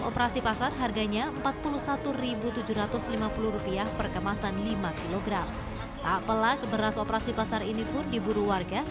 operasi pasar harganya rp empat puluh satu tujuh ratus lima puluh rupiah per kemasan lima kg tak pelak beras operasi pasar ini pun diburu warga